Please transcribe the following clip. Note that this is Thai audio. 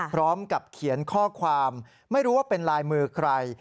พร้อมกับเขียนข้อความไม่รู้ว่าเป็นลายมือใคร